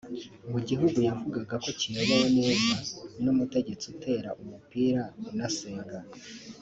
mu gihugu yavugaga ko kiyobowe neza n’umutegetsi utera umupira unasenga